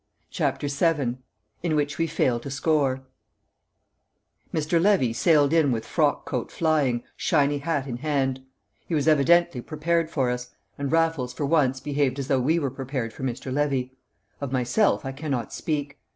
CHAPTER VII In Which We Fail to Score Mr. Levy sailed in with frock coat flying, shiny hat in hand; he was evidently prepared for us, and Raffles for once behaved as though we were prepared for Mr. Levy. Of myself I cannot speak.